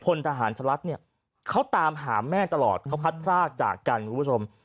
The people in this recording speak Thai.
พลทหารชะลัดเนี่ยเขาตามหาแม่ตลอดเขาพัดพรากจากกันคุณผู้ชม